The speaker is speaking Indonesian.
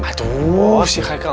aduhh si haikal